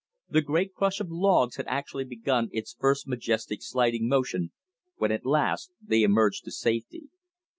The great crush of logs had actually begun its first majestic sliding motion when at last they emerged to safety.